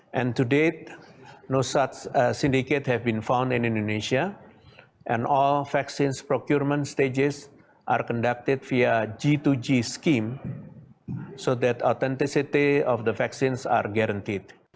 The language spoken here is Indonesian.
dan sejauh ini tidak ada sindiket yang berada di indonesia dan semua proses pengambilan vaksin dilakukan melalui skim g dua g sehingga autentisitas vaksin itu diberikan